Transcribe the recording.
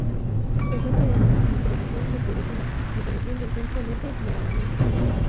Se encuentra en la microrregión de Teresina, mesorregión del Centro-Norte Piauiense.